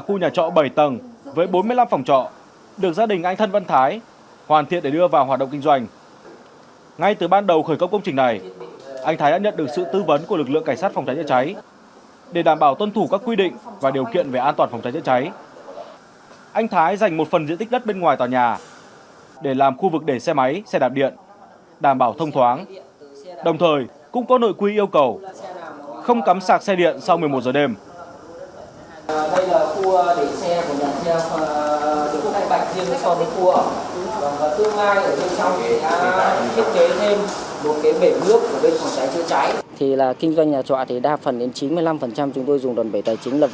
kinh doanh nhà trọ đa phần đến chín mươi năm chúng tôi dùng đoàn bể tài chính là vai ngân hạ